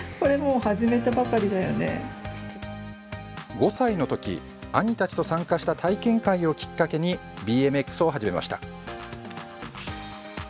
５歳の時、兄たちと参加した体験会をきっかけにＢＭＸを始めました。